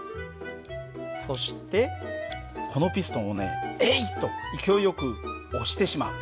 そしてこのピストンをね「えい！」と勢いよく押してしまう。